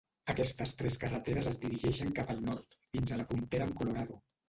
Aquestes tres carreteres es dirigeixen cap al nord fins a la frontera amb Colorado.